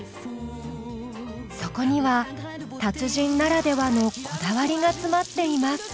そこには達人ならではのこだわりが詰まっています。